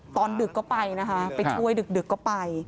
ดึกก็ไปนะคะไปช่วยดึกก็ไป